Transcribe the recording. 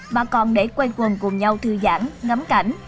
mà còn để quay quần cùng nhau thư giãn ngắm cảnh